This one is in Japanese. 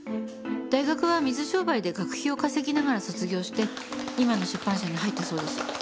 大学は水商売で学費を稼ぎながら卒業して今の出版社に入ったそうです。